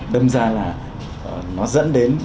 đâm ra là nó dẫn đến